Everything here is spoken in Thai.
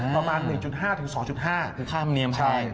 ประมาณ๑๕๒๕ค่ามันเนียมแพง